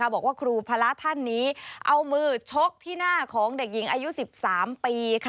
บอกว่าครูพระท่านนี้เอามือชกที่หน้าของเด็กหญิงอายุ๑๓ปี